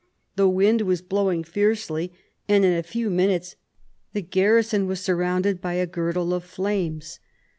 The wind was blowing fiercely, and in a few minutes the garrison was surrounded by a girdle of flames.